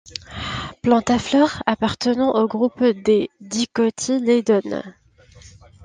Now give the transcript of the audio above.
Plante à fleur, appartenant au groupe des dicotylédones.